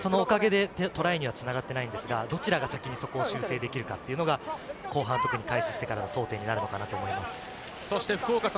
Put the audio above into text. そのおかげでトライには繋がっていないんですが、どちらが先にそこを修正できるかというのが後半、特に開始してからの争点になると思います。